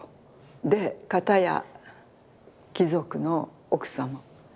で片や貴族の奥様。